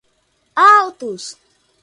autos